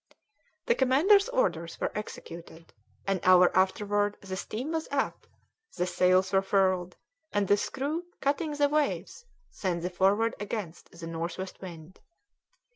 The commander's orders were executed, an hour afterwards the steam was up, the sails were furled, and the screw cutting the waves sent the Forward against the north west wind.